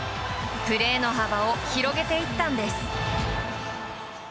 プレーの幅を広げていったんです。